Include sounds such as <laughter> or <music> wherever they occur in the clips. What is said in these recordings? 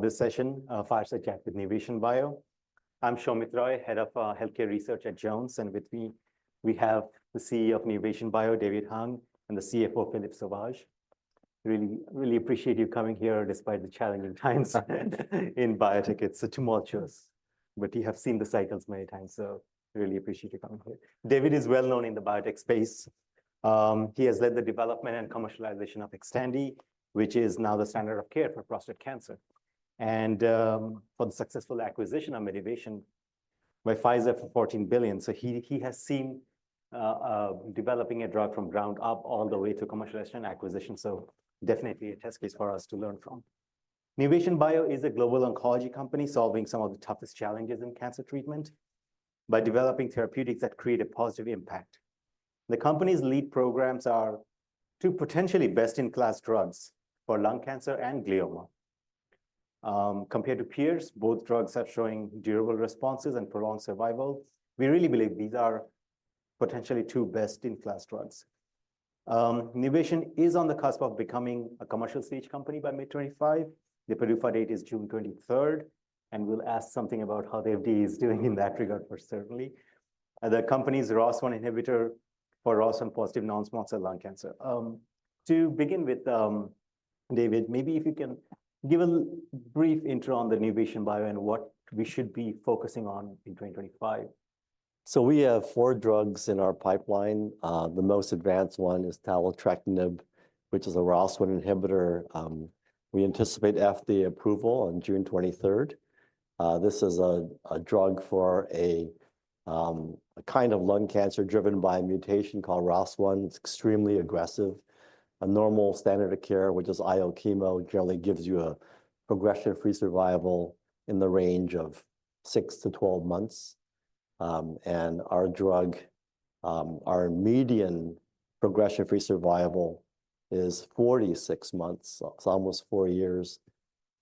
This session, Fireside Chat with Nuvation Bio. I’m Soumit Roy Head of Healthcare Research at Jones and with me, we have the CEO of Nuvation Bio, David Hung, and the CFO, Philippe Sauvage. Really appreciate you coming here, despite of the challenging times [in biotechs too much as] but you have seen the [cycle] many times so really appreciate you coming here. David is well-known in the [biotech space], he has lead the development and, <inaudible> which is now the standard care for prostate cancer and successful acquisition of Medivation by Pfizer for $14,000,000,000. He has seen developing a drug from ground up all the way to <inaudible> acquisition, so definitely it is <inaudible> to learn from. Nuvation Bio is a global oncology company solving some of the toughest challenges in cancer treatment by developing therapeutics that create a positive impact. The company's lead programs are two potentially best-in-class drugs for lung cancer and glioma. Compared to peers, both drugs are showing durable responses and prolonged survival. We really believe these are potentially two best-in-class drugs. Nuvation is on the cusp of becoming a commercial stage company by mid-2025. The PDUFA date is June 23rd, and we'll ask something about how the FDA is doing in that regard for certainly. The company's ROS1 inhibitor for ROS1-positive non-small cell lung cancer. To begin with, David, maybe if you can give a brief intro on the Nuvation Bio and what we should be focusing on in 2025. We have four drugs in our pipeline. The most advanced one is Taletrectinib, which is a ROS1 inhibitor. We anticipate FDA approval on June 23rd. This is a drug for a kind of lung cancer driven by a mutation called ROS1. It's extremely aggressive. A normal standard of care, which is IO chemo, generally gives you a progression-free survival in the range of 6-12 months. Our drug, our median progression-free survival is 46 months. It's almost four years.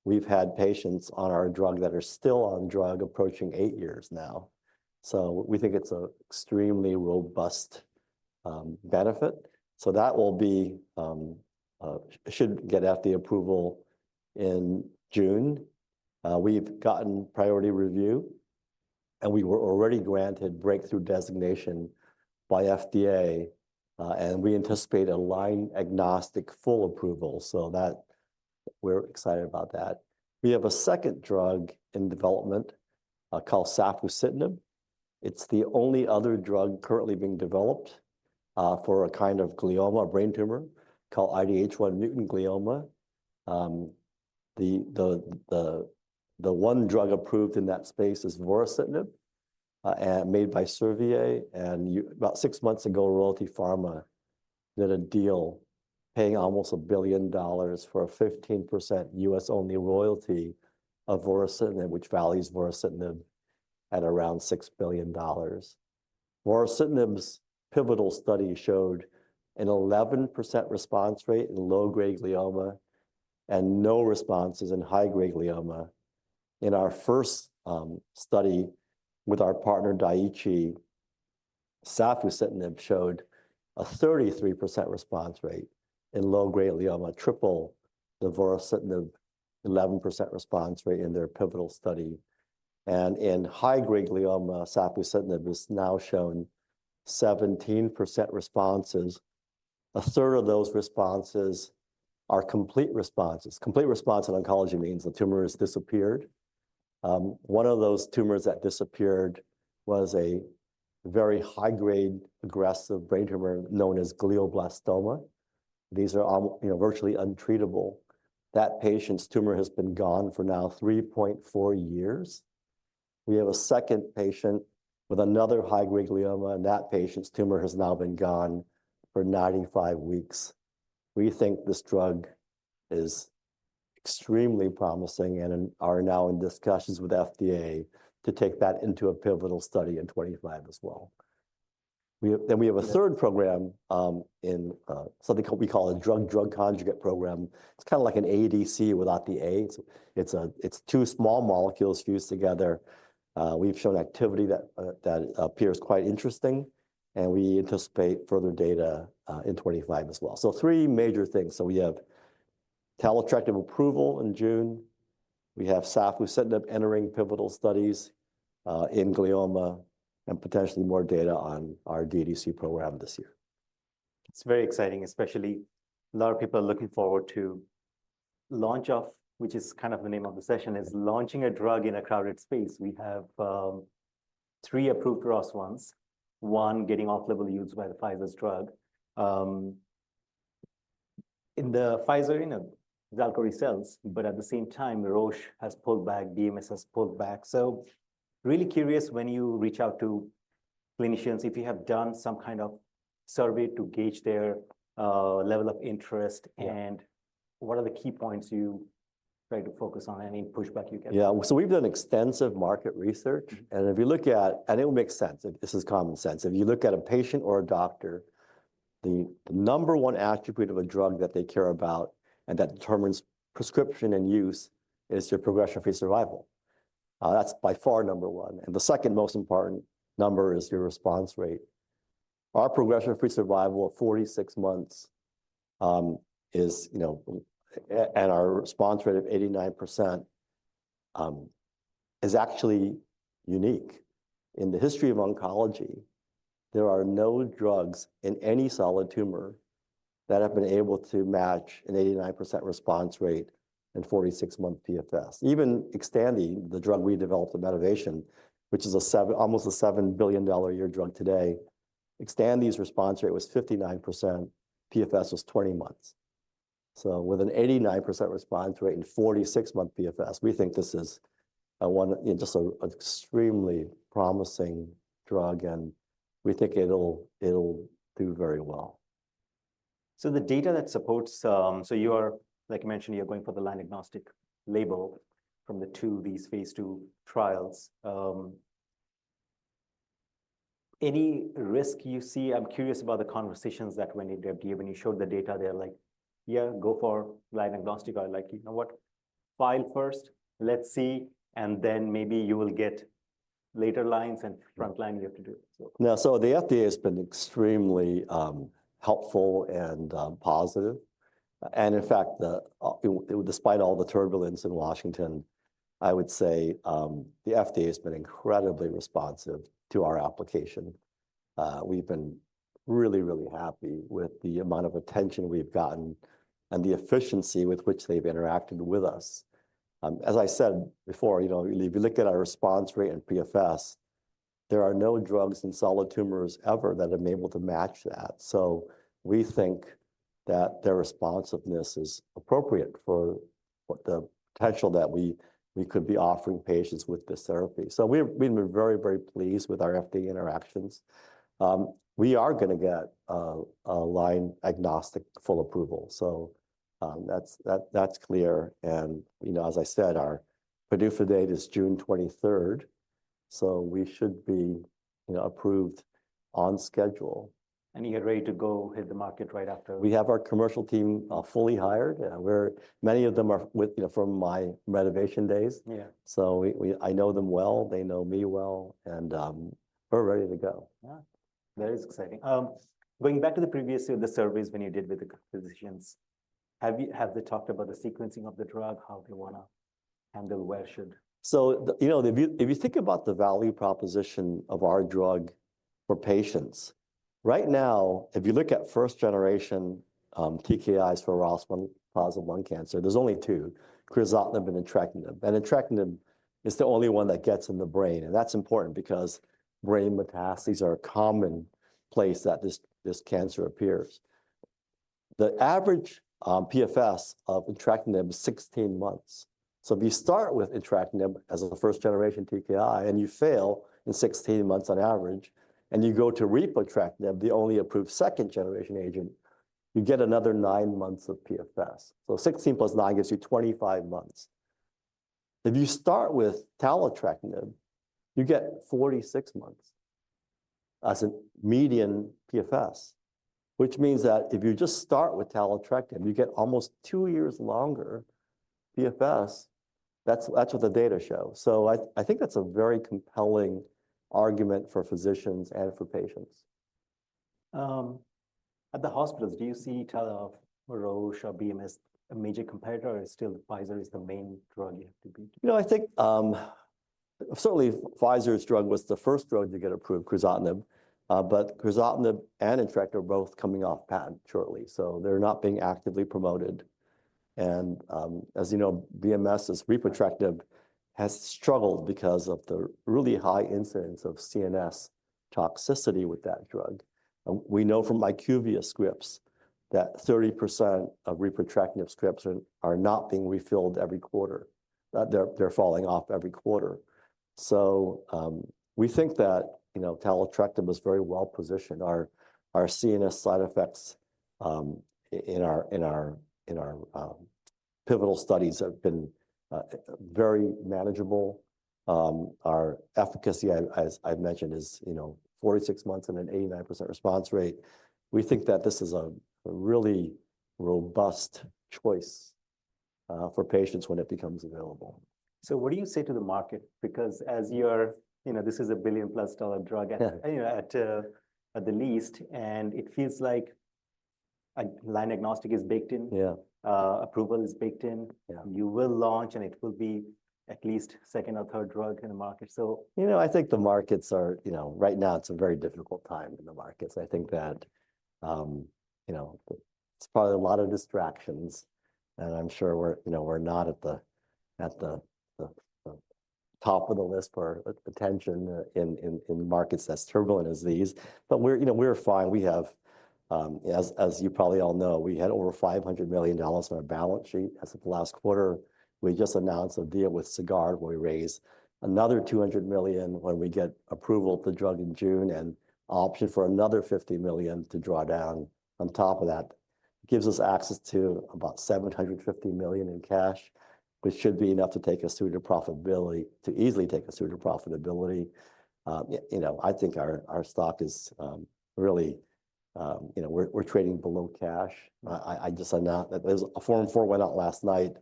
We've had patients on our drug that are still on drug approaching eight years now. We think it's an extremely robust benefit. That should get FDA approval in June. We've gotten priority review, and we were already granted breakthrough designation by FDA, and we anticipate a line-agnostic full approval. We're excited about that. We have a second drug in development called Safusidenib. It's the only other drug currently being developed for a kind of glioma, brain tumor, called IDH1-mutant glioma. The one drug approved in that space is Vorasidenib, made by Servier. About six months ago, Royalty Pharma did a deal paying almost $1 billion for a 15% US-only royalty of Vorasidenib, which values Vorasidenib at around $6 billion. Vorasidenib's pivotal study showed an 11% response rate in low-grade glioma and no responses in high-grade glioma. In our first study with our partner, Daiichi, Safusidenib showed a 33% response rate in low-grade glioma, triple the Vorasidenib 11% response rate in their pivotal study. In high-grade glioma, Safusidenib has now shown 17% responses. A third of those responses are complete responses. Complete response in oncology means the tumor has disappeared. One of those tumors that disappeared was a very high-grade aggressive brain tumor known as glioblastoma. These are virtually untreatable. That patient's tumor has been gone for now 3.4 years. We have a second patient with another high-grade glioma, and that patient's tumor has now been gone for 95 weeks. We think this drug is extremely promising and are now in discussions with FDA to take that into a pivotal study in 2025 as well. We have a third program in something we call a drug-drug conjugate program. It's kind of like an ADC without the A. It's two small molecules fused together. We've shown activity that appears quite interesting, and we anticipate further data in 2025 as well. Three major things. We have Taletrectinib approval in June. We have Safusidenib entering pivotal studies in glioma and potentially more data on our DDC program this year. It's very exciting, especially a lot of people are looking forward to launch of, which is kind of the name of the session, is launching a drug in a crowded space. We have three approved ROS1s, one getting off-label used by Pfizer's drug. In the Pfizer, you know, Xalkori sells, but at the same time, Roche has pulled back, BMS has pulled back. Really curious when you reach out to clinicians if you have done some kind of survey to gauge their level of interest and what are the key points you try to focus on and any pushback you get? Yeah. We have done extensive market research. If you look at, and it will make sense, this is common sense. If you look at a patient or a doctor, the number one attribute of a drug that they care about and that determines prescription and use is your progression-free survival. That is by far number one. The second most important number is your response rate. Our progression-free survival of 46 months is, you know, and our response rate of 89% is actually unique. In the history of oncology, there are no drugs in any solid tumor that have been able to match an 89% response rate and 46-month PFS. Even Xtandi, the drug we developed at Medivation, which is almost a $7 billion a year drug today, Xtandi's response rate was 59%, PFS was 20 months. With an 89% response rate and 46-month PFS, we think this is just an extremely promising drug, and we think it'll do very well. The data that supports, like you mentioned, you're going for the line-agnostic label from the two of these phase two trials. Any risk you see? I'm curious about the conversations that when you showed the data, they're like, "Yeah, go for line-agnostic." I'm like, "You know what? File first, let's see, and then maybe you will get later lines and front line you have to do. Yeah. The FDA has been extremely helpful and positive. In fact, despite all the turbulence in Washington, I would say the FDA has been incredibly responsive to our application. We've been really, really happy with the amount of attention we've gotten and the efficiency with which they've interacted with us. As I said before, you know, if you look at our response rate and PFS, there are no drugs in solid tumors ever that have been able to match that. We think that their responsiveness is appropriate for the potential that we could be offering patients with this therapy. We've been very, very pleased with our FDA interactions. We are going to get a line-agnostic full approval. That is clear. You know, as I said, our PDUFA date is June 23rd. We should be approved on schedule. You're ready to go hit the market right after. We have our commercial team fully hired. Many of them are from my Medivation days. I know them well. They know me well. We are ready to go. Yeah. That is exciting. Going back to the previous surveys you did with the physicians, have they talked about the sequencing of the drug, how they want to handle, where should. You know, if you think about the value proposition of our drug for patients, right now, if you look at first-generation TKIs for ROS1-positive lung cancer, there's only two, Crizotinib and Entrectinib. Entrectinib is the only one that gets in the brain. That's important because brain metastases are a common place that this cancer appears. The average PFS of Entrectinib is 16 months. If you start with Entrectinib as a first-generation TKI and you fail in 16 months on average, and you go to Repotrectinib, the only approved second-generation agent, you get another nine months of PFS. Sixteen plus nine gives you 25 months. If you start with Taletrectinib, you get 46 months as a median PFS, which means that if you just start with Taletrectinib, you get almost two years longer PFS. That's what the data show. I think that's a very compelling argument for physicians and for patients. At the hospitals, do you see Roche or BMS a major competitor, or is still Pfizer the main drug you have to beat? You know, I think certainly Pfizer's drug was the first drug to get approved, Crizotinib, but Crizotinib and Entrectinib are both coming off patent shortly. They're not being actively promoted. As you know, BMS's Repotrectinib has struggled because of the really high incidence of CNS toxicity with that drug. We know from IQVIA scripts that 30% of Repotrectinib scripts are not being refilled every quarter. They're falling off every quarter. We think that Taletrectinib is very well positioned. Our CNS side effects in our pivotal studies have been very manageable. Our efficacy, as I've mentioned, is 46 months and an 89% response rate. We think that this is a really robust choice for patients when it becomes available. What do you say to the market? Because as you're, you know, this is a billion-plus dollar drug at the least, and it feels like line-agnostic is baked in, approval is baked in. You will launch, and it will be at least second or third drug in the market. You know, I think the markets are, you know, right now, it's a very difficult time in the markets. I think that, you know, it's probably a lot of distractions. I'm sure we're not at the top of the list for attention in markets as turbulent as these. We're, you know, we're fine. We have, as you probably all know, we had over $500,000,000 on our balance sheet as of last quarter. We just announced a deal with Sagard where we raise another $200,000,000 when we get approval of the drug in June and option for another $50,000,000 to draw down on top of that. It gives us access to about $750,000,000 in cash, which should be enough to take us through to profitability, to easily take us through to profitability. You know, I think our stock is really, you know, we're trading below cash. I just am not, there's a forum for went out last night.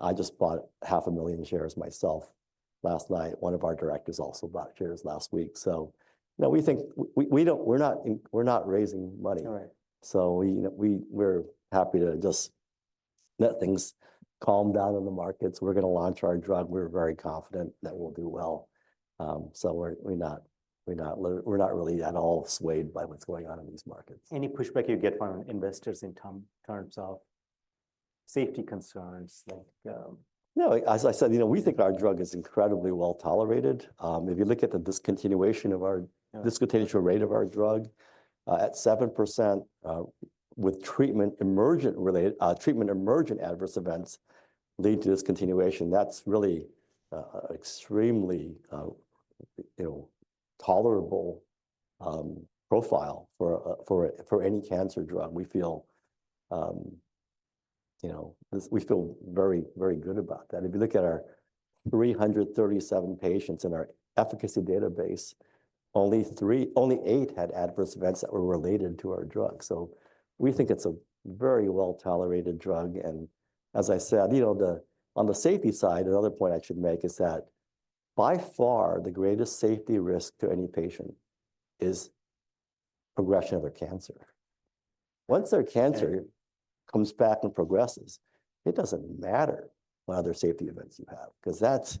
I just bought $500,000 shares myself last night. One of our directors also bought shares last week. You know, we think we're not raising money. We're happy to just let things calm down in the markets. We're going to launch our drug. We're very confident that we'll do well. We're not really at all swayed by what's going on in these markets. Any pushback you get from investors in terms of safety concerns? No, as I said, you know, we think our drug is incredibly well tolerated. If you look at the discontinuation rate of our drug at 7% with treatment emergent adverse events leading to discontinuation, that's really an extremely tolerable profile for any cancer drug. We feel, you know, we feel very, very good about that. If you look at our 337 patients in our efficacy database, only eight had adverse events that were related to our drug. So we think it's a very well tolerated drug. As I said, you know, on the safety side, another point I should make is that by far the greatest safety risk to any patient is progression of their cancer. Once their cancer comes back and progresses, it doesn't matter what other safety events you have, because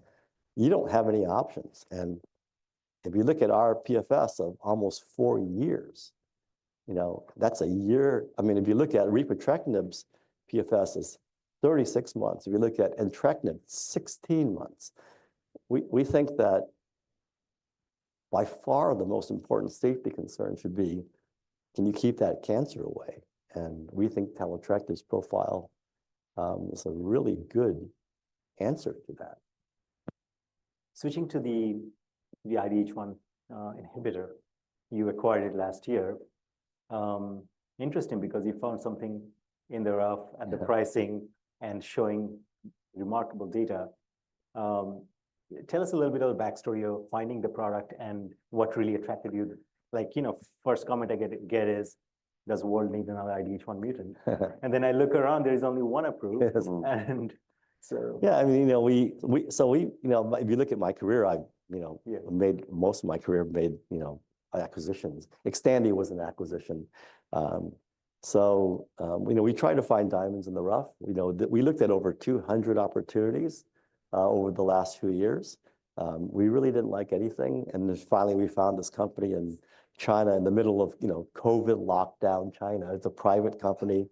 you don't have any options. If you look at our PFS of almost four years, you know, that's a year. I mean, if you look at Repotrectinib's PFS, it is 36 months. If you look at Entrectinib, 16 months. We think that by far the most important safety concern should be, can you keep that cancer away? And we think Taletrectinib's profile is a really good answer to that. Switching to the IDH1 inhibitor, you acquired it last year. Interesting because you found something in the rough at the pricing and showing remarkable data. Tell us a little bit of the backstory of finding the product and what really attracted you. Like, you know, first comment I get is, does the world need another IDH1 mutant? And then I look around, there is only one approved. Yeah, I mean, you know, so we, you know, if you look at my career, I, you know, made most of my career made, you know, acquisitions. Xtandi was an acquisition. You know, we tried to find diamonds in the rough. You know, we looked at over 200 opportunities over the last few years. We really did not like anything. Finally, we found this company in China in the middle of, you know, COVID lockdown China. It is a private company,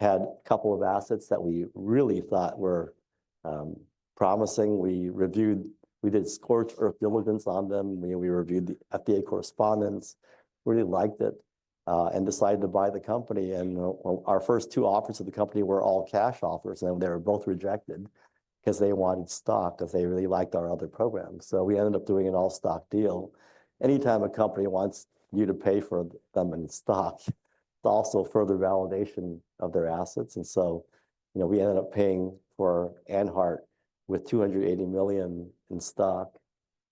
had a couple of assets that we really thought were promising. We reviewed, we did scorched earth diligence on them. We reviewed the FDA correspondence. We really liked it and decided to buy the company. Our first two offers of the company were all cash offers. They were both rejected because they wanted stock because they really liked our other program. We ended up doing an all-stock deal. Anytime a company wants you to pay for them in stock, it's also further validation of their assets. You know, we ended up paying for AnHeart with $280,000,000 in stock.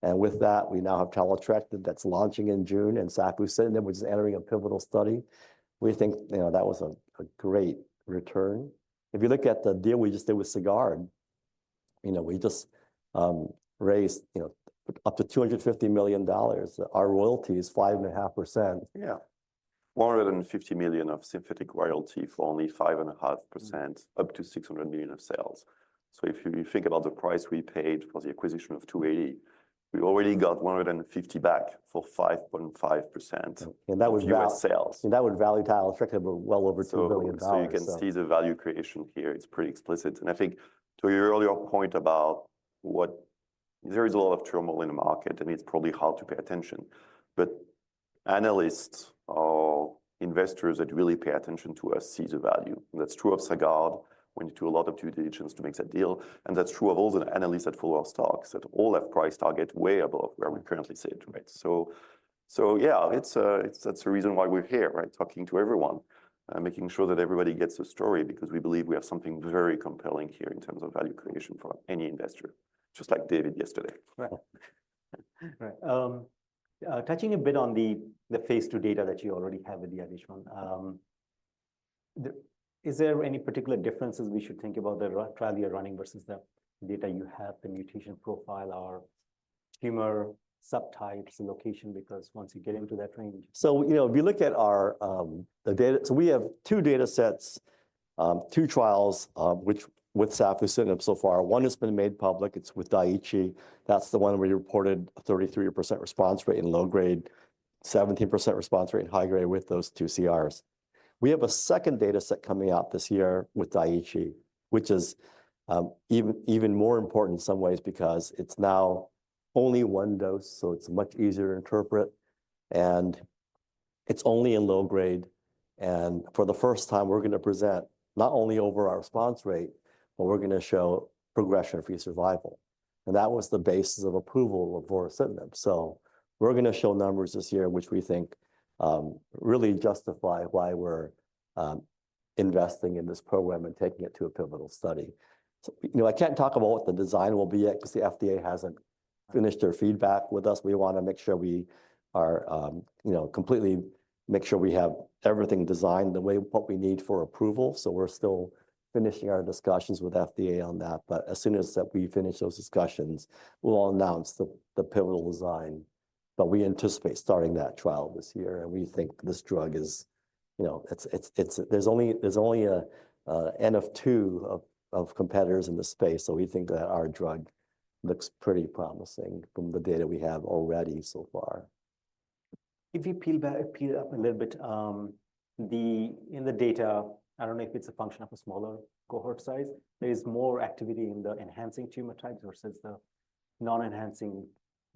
With that, we now have Taletrectinib that's launching in June and Safusidenib, which is entering a pivotal study. We think, you know, that was a great return. If you look at the deal we just did with Sagard, you know, we just raised, you know, up to $250 million. Our royalty is 5.5%. Yeah. $150,000,000 of synthetic royalty for only 5.5%, up to $600,000,000 of sales. If you think about the price we paid for the acquisition of $280,000,000, we already got $150,000,000 back for 5.5%. That was value. Sales. That would value Taletrectinib well over $2 billion. You can see the value creation here. It's pretty explicit. I think to your earlier point about what there is a lot of turmoil in the market, and it's probably hard to pay attention. Analysts or investors that really pay attention to us see the value. That's true of Sagard. We need to do a lot of due diligence to make that deal. That's true of all the analysts that follow our stocks that all have price target way above where we currently sit, right? That's the reason why we're here, right, talking to everyone, making sure that everybody gets the story because we believe we have something very compelling here in terms of value creation for any investor, just like David yesterday. Right. Touching a bit on the phase two data that you already have with the IDH1, is there any particular differences we should think about the trial you're running versus the data you have, the mutation profile or tumor subtypes, location, because once you get into that range? You know, if you look at our data, we have two data sets, two trials, with Safusidenib so far. One has been made public. It's with Daiichi. That's the one where we reported a 33% response rate in low grade, 17% response rate in high grade with those two CRs. We have a second data set coming out this year with Daiichi, which is even more important in some ways because it's now only one dose. It's much easier to interpret. It's only in low grade. For the first time, we're going to present not only our response rate, but we're going to show progression-free survival. That was the basis of approval of Vorasidenib. We're going to show numbers this year, which we think really justify why we're investing in this program and taking it to a pivotal study. You know, I can't talk about what the design will be yet because the FDA hasn't finished their feedback with us. We want to make sure we are, you know, completely make sure we have everything designed the way what we need for approval. We are still finishing our discussions with FDA on that. As soon as we finish those discussions, we'll announce the pivotal design. We anticipate starting that trial this year. We think this drug is, you know, there's only an N of two of competitors in the space. We think that our drug looks pretty promising from the data we have already so far. If you peel back a little bit, in the data, I don't know if it's a function of a smaller cohort size, there is more activity in the enhancing tumor types versus the non-enhancing.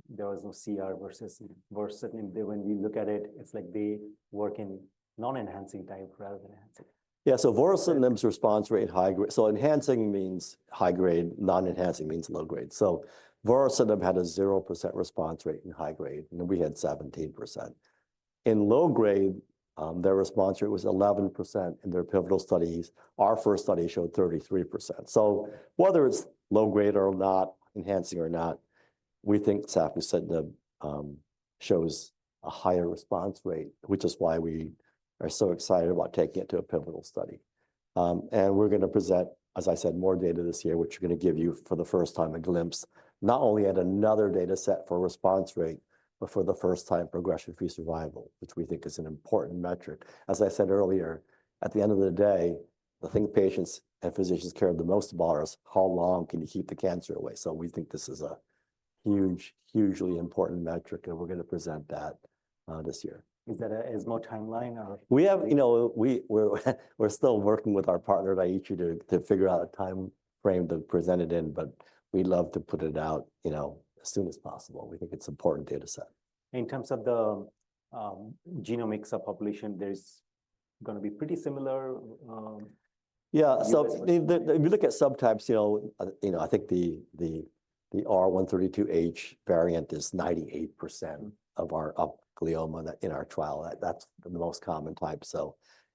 There was no CR versus Vorasidenib. When we look at it, it's like they work in non-enhancing type rather than enhancing. Yeah, so Vorasidenib's response rate high grade. So enhancing means high grade, non-enhancing means low grade. So Vorasidenib had a 0% response rate in high grade, and we had 17%. In low grade, their response rate was 11% in their pivotal studies. Our first study showed 33%. So whether it's low grade or not, enhancing or not, we think Safusidenib shows a higher response rate, which is why we are so excited about taking it to a pivotal study. We're going to present, as I said, more data this year, which we're going to give you for the first time a glimpse, not only at another data set for response rate, but for the first time progression-free survival, which we think is an important metric. As I said earlier, at the end of the day, the thing patients and physicians care the most about is how long can you keep the cancer away. We think this is a huge, hugely important metric, and we're going to present that this year. Is that a small timeline? We have, you know, we're still working with our partner Daiichi to figure out a time frame to present it in, but we'd love to put it out, you know, as soon as possible. We think it's an important data set. In terms of the genome mix up population, there's going to be pretty similar. Yeah, so if you look at subtypes, you know, you know, I think the R132H variant is 98% of our glioma in our trial. That's the most common type.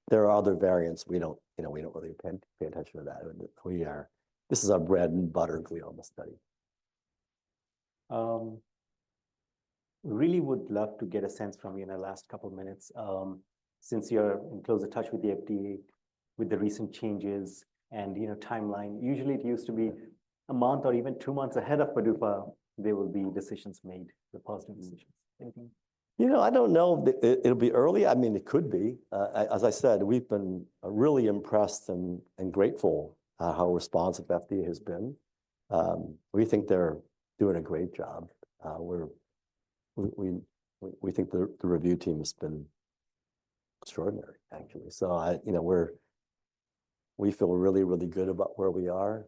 There are other variants. We don't, you know, we don't really pay attention to that. This is our bread and butter glioma study. Really would love to get a sense from you in the last couple of minutes, since you're in close touch with the FDA, with the recent changes and, you know, timeline. Usually, it used to be a month or even two months ahead of PDUFA, there will be decisions made, the positive decisions. Anything? You know, I don't know if it'll be early. I mean, it could be. As I said, we've been really impressed and grateful how responsive FDA has been. We think they're doing a great job. We think the review team has been extraordinary, actually. You know, we feel really, really good about where we are.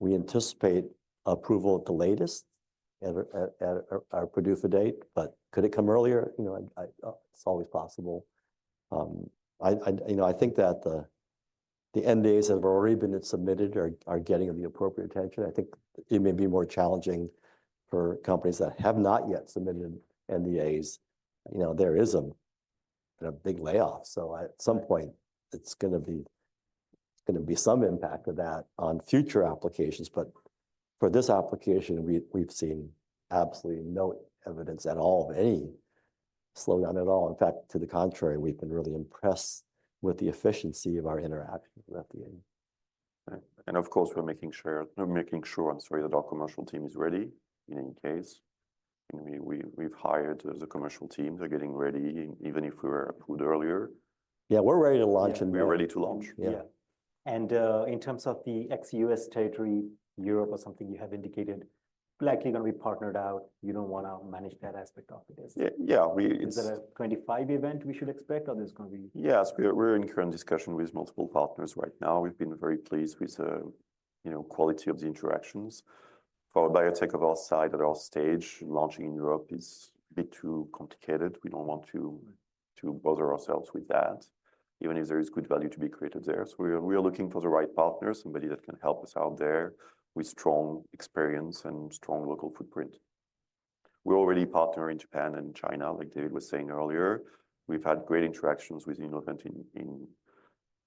We anticipate approval at the latest at our PDUFA date, but could it come earlier? You know, it's always possible. I think that the NDAs that have already been submitted are getting the appropriate attention. I think it may be more challenging for companies that have not yet submitted NDAs. You know, there is a big layoff. At some point, it's going to be some impact of that on future applications. For this application, we've seen absolutely no evidence at all of any slowdown at all. In fact, to the contrary, we've been really impressed with the efficiency of our interaction with FDA. Of course, we're making sure, I'm sorry, that our commercial team is ready in any case. We've hired the commercial team. They're getting ready, even if we were approved earlier. Yeah, we're ready to launch. We're ready to launch. Yeah. In terms of the ex-US territory, Europe or something you have indicated, likely going to be partnered out. You don't want to manage that aspect of it. Yeah. Is that a 2025 event we should expect, or there's going to be? Yes, we're in current discussion with multiple partners right now. We've been very pleased with the quality of the interactions. For a biotech of our size at our stage, launching in Europe is a bit too complicated. We don't want to bother ourselves with that, even if there is good value to be created there. We are looking for the right partners, somebody that can help us out there with strong experience and strong local footprint. We're already partnering in Japan and China, like David was saying earlier. We've had great interactions with Innovent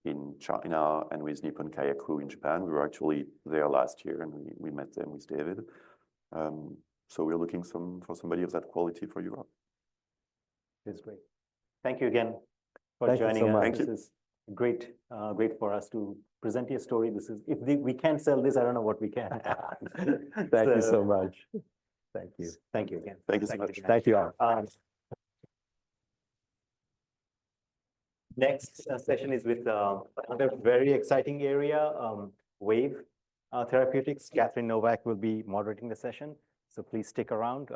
in China and with Nippon Kayaku in Japan. We were actually there last year, and we met them with David. We are looking for somebody of that quality for Europe. That's great. Thank you again for joining us. Thank you so much. This is great for us to present your story. If we can't sell this, I don't know what we can. Thank you so much. Thank you. Thank you again. Thank you so much. Thank you. Next session is with another very exciting area, Wave Therapeutics. Catherine Novak will be moderating the session. Please stick around.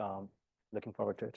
Looking forward.